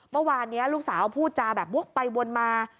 เมื่อวานนี้ลูกสาวพูดจาแบบวกไปวนมา